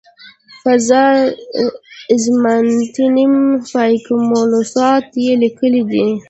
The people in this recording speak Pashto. "فاذا اظماننتم فاقیموالصلواته" یې لیکلی دی.